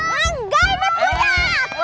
enggak ini punya aku